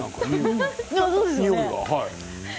においがね。